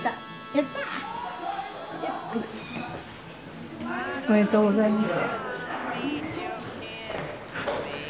やった！おめでとうございます。